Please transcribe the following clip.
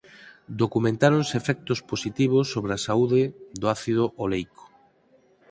Documentáronse efectos positivos sobre a saúde do ácido oleico.